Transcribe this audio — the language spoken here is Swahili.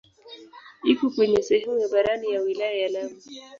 Iko kwenye sehemu ya barani ya wilaya ya Lamu.